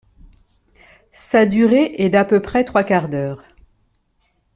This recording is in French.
Sa durée est d'à peu près trois quarts d'heure.